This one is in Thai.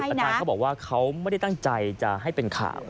อาจารย์เขาบอกว่าเขาไม่ได้ตั้งใจจะให้เป็นข่าว